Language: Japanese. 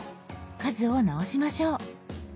数を直しましょう。